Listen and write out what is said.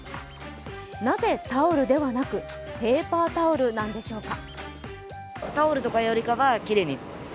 なぜタオルではなくペーパータオルなんでしょうか？